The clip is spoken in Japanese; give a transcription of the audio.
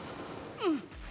⁉うん。